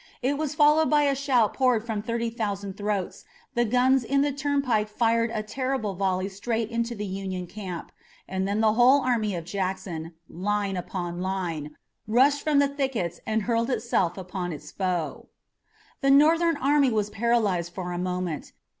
It was followed by a shout poured from thirty thousand throats, the guns in the turnpike fired a terrible volley straight into the Union camp, and then the whole army of Jackson, line upon line, rushed from the thickets and hurled itself upon its foe. The Northern army was paralyzed for a moment.